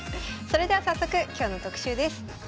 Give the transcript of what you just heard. それでは早速今日の特集です。